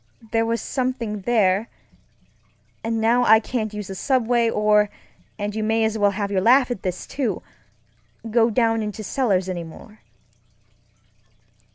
There was something thereŌĆöand now I can't use the subway or (and you may as well have your laugh at this, too) go down into cellars any more.